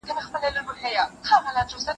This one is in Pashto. تل دي ښاد وي پر دنیا چي دي دوستان وي